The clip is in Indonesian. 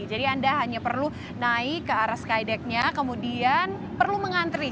jadi anda hanya perlu naik ke arah skydeck nya kemudian perlu mengantri